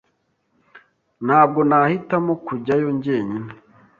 Ntabwo nahitamo kujyayo jyenyine.